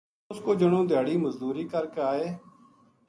اُ س کو جنو دھیاڑی مزدوری کر کے آئے